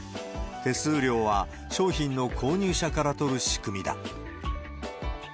手数料は商品の購入者から取る仕組みだ。